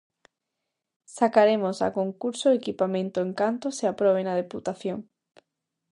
Sacaremos a concurso o equipamento en canto se aprobe na deputación.